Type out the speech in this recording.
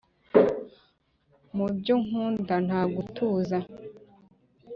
mu biryo nkunda nta gutuza,